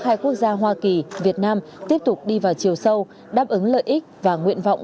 hai quốc gia hoa kỳ việt nam tiếp tục đi vào chiều sâu đáp ứng lợi ích và nguyện vọng